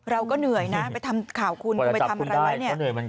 เราก็เหนื่อยนะไปทำข่าวคุณคุณไปทำอะไรไว้เนี่ย